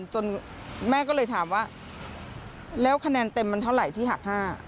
แม่ก็เลยถามว่าแล้วคะแนนเต็มมันเท่าไหร่ที่หัก๕